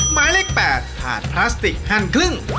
หมายเลข๘ถาดพลาสติกแฮ่นครึ่ง